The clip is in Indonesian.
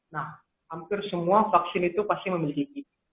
nah hampir semua vaksin itu pasti memiliki